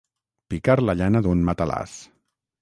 Picar la llana d'un matalàs.